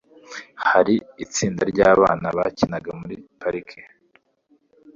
hari itsinda ryabana bakinaga muri parike